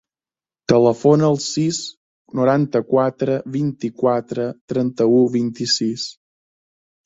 Telefona al sis, noranta-quatre, vint-i-quatre, trenta-u, vint-i-sis.